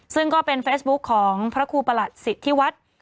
ซึ่งก็เป็นเฟซบุ๊คของพระครูประหลัดสิทธิวัฒน์